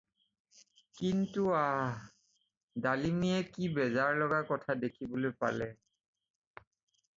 কিন্তু আঃ! ডালিমীয়ে কি বেজাৰ লগা কথা দেখিবলৈ পালে।